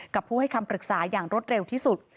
ผู้ให้คำปรึกษาอย่างรวดเร็วที่สุด